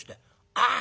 「ああ。